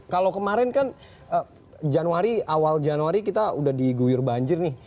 kalau kemarin kan januari awal januari kita udah di guyurban